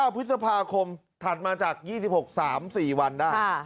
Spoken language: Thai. พฤษภาคมถัดมาจาก๒๖๓๔วันได้